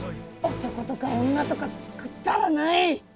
男とか女とかくだらない！